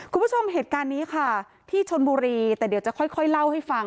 คุณผู้ชมเหตุการณ์นี้ค่ะที่ชนบุรีแต่เดี๋ยวจะค่อยเล่าให้ฟัง